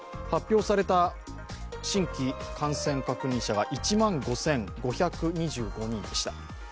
発表された新規感染確認者は１万５５２５人でした。